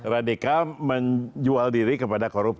radikal menjual diri kepada korupsi